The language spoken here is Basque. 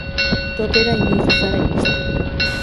Topera inoiz ez zara iristen.